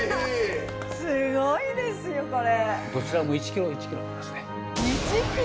すごいですよこれ。